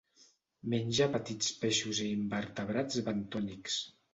Menja petits peixos i invertebrats bentònics.